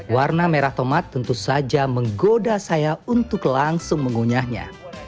warna merah tomat tentu saja menggoda saya untuk langsung mengunyahnya